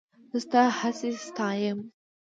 زه ستا هڅې ستایم.